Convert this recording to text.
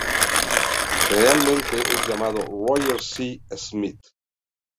Generalmente es llamado Roger C. Smith.